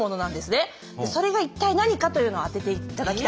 それが一体何かというのを当てていただきたい。